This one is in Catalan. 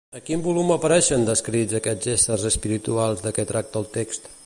A quin volum apareixen descrits aquests éssers espirituals de què tracta el text?